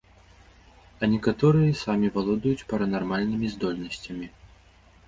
А некаторыя і самі валодаюць паранармальнымі здольнасцямі.